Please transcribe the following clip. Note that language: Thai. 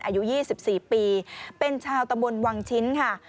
อายุยี่สิบสี่ปีเป็นชาวตะบนวังชิ้นค่ะ